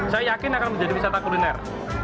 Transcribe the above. saya yakin akan menjadi wisata kuliner